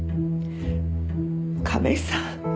亀井さん。